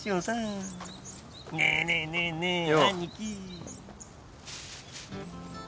ねえねえねえねえアニキ・よう。